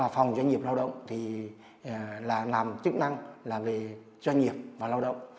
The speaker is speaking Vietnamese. phòng doanh nghiệp lao động làm chức năng doanh nghiệp và lao động